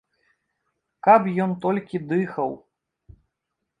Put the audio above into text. Каб ён толькі дыхаў.